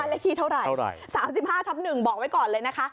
เลขที่เท่าไหร่๓๕ทับ๑บอกไว้ก่อนเลยนะคะ